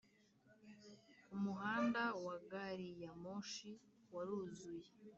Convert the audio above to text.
umuhanda wagari yamoshi waruzuye